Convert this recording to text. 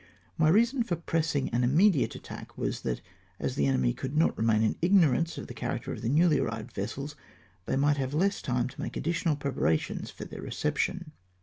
My reason for pressing an immediate attack was, that as the enemy could not remain in ignorance of the cha racter of the newly arrived vessels, they might have less time to make additional preparations for their reception.